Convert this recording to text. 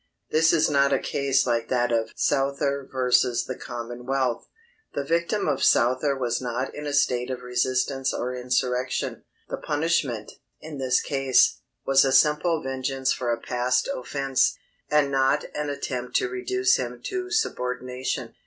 This is not a case like that of Souther v. The Commonwealth. The victim of Souther was not in a state of resistance or insurrection. The punishment, in his case, was a simple vengeance for a past offence, and not an attempt to reduce him to subordination.